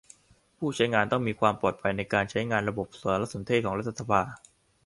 ผู้ใช้งานต้องมีความปลอดภัยในการใช้งานระบบสารสนเทศของรัฐสภา